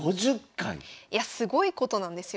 いやすごいことなんですよ。